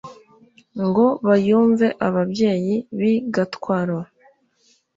Ngo bayumve ababyeyi b'i Gatwaro,